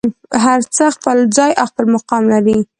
هر څه خپل ځای او خپل مقام لري.